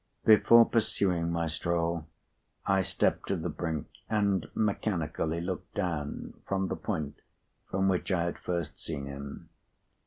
Before pursuing my stroll, I stepped to the brink, and mechanically looked down, from the point from which I had first seen him.